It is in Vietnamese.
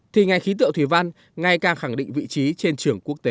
thì ngành khí tượng thủy văn ngay càng khẳng định vị trí trên trường quốc tế